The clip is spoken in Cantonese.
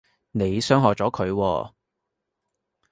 你傷害咗佢喎